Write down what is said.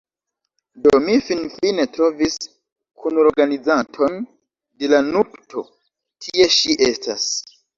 Do, mi finfine trovis kunorganizanton de la nupto tie ŝi estas